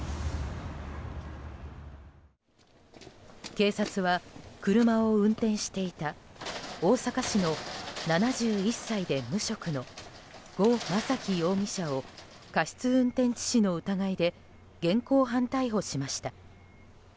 警察は、車を運転していた大阪市の７１歳で無職のゴ・マサキ容疑者を過失運転致死の疑いで現行犯逮捕しました。